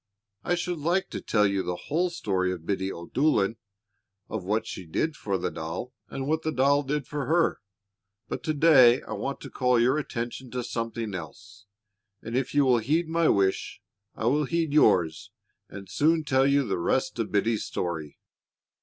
I should like to tell you the whole story of Biddy O'Dolan of what she did for the doll, and what the doll did for her; but to day I want to call your attention to something else, and if you will heed my wish, I will heed yours, and soon tell you the rest of Biddy's story.